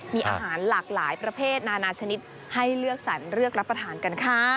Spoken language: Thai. มีอาหารหลากหลายประเภทนานาชนิดให้เลือกสรรเลือกรับประทานกันค่ะ